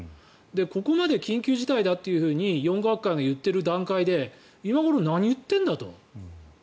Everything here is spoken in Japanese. ここまで緊急事態だって４学会が言っている段階で今頃何言ってんだと。